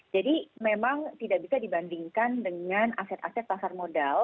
jadi memang tidak bisa dibandingkan dengan aset aset pasar modal